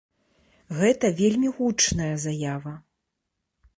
Гэта вельмі гучная заява.